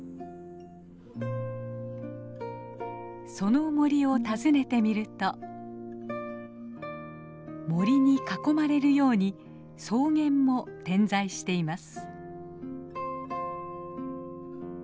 その森を訪ねてみると森に囲まれるように草原も点在しています。